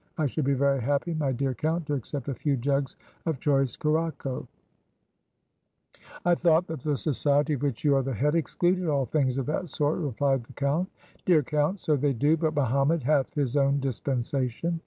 I should be very happy, my dear Count, to accept a few jugs of choice Curaçoa." "I thought that the society of which you are the head, excluded all things of that sort" replied the Count. "Dear Count, so they do; but Mohammed hath his own dispensation."